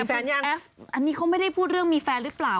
มีแฟนหรือเปล่าแอฟอันนี้เขาไม่ได้พูดเรื่องมีแฟนหรือเปล่า